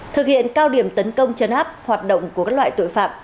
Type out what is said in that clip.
thực hiện cao điểm tấn công chấn áp hoạt động của các loại tội phạm